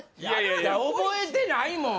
覚えてないもん